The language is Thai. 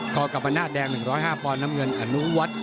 กรกรรมนาศแดง๑๐๕ปอนด์น้ำเงินอนุวัฒน์